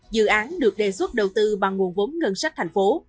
dự án được đề xuất đầu tư bằng nguồn vốn ngân sách thành phố